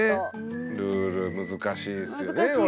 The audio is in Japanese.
ルール難しいですよねこれね。